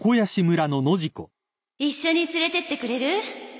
一緒に連れてってくれる？